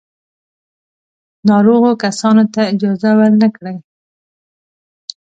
ناروغو کسانو ته اجازه ور نه کړي.